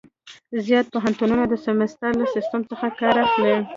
زیات پوهنتونونه د سمستر له سیسټم څخه کار اخلي.